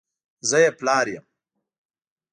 زه یې پلار یم !